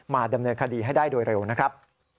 ดำเนินคดีให้ได้โดยเร็วนะครับ